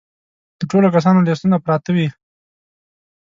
د ټولو کسانو لیستونه پراته وي.